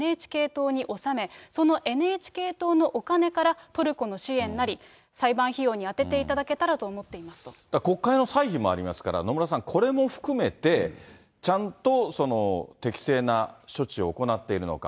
また今まで頂いた歳費をＮＨＫ党に収め、そのＮＨＫ党のお金からトルコの支援なり、裁判費用に充てていた国会の歳費もありますから、野村さん、これも含めて、ちゃんと適正な処置を行っているのか。